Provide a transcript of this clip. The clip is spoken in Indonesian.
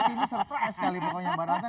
nanti ini surprise kali pokoknya mbak rata